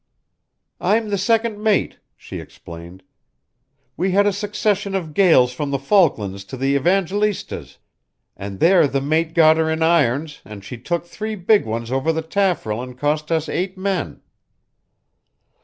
"I'm the second mate," she explained. "We had a succession of gales from the Falklands to the Evangelistas, and there the mate got her in irons and she took three big ones over the taffrail and cost us eight men.